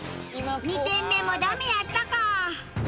２店目もダメやったかあ。